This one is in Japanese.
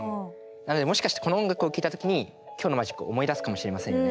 なのでもしかしてこの音楽を聴いた時に今日のマジックを思い出すかもしれませんね。